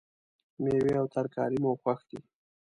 میوې او ترکاری مو خوښ دي